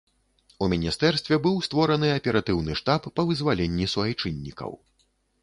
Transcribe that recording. У міністэрстве быў створаны аператыўны штаб па вызваленні суайчыннікаў.